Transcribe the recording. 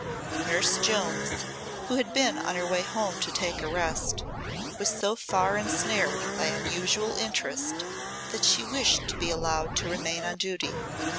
Nurse Jones, who had been on her way home to take a rest, was so far ensnared by unusual interest that she wished to be allowed to remain on duty.